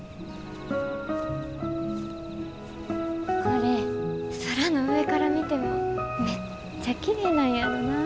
これ空の上から見てもめっちゃきれいなんやろなぁ。